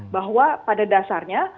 bahwa pada dasarnya